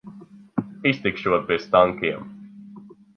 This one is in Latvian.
Iztikšot bez tankiem.